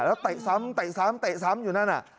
แล้วเตะซ้ำอยู่นั่นน่ะ